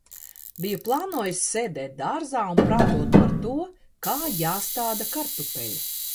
Biju plānojusi sēdēt dārzā un prātot par to, kā jāstāda kartupeļi.